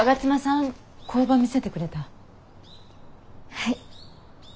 はい。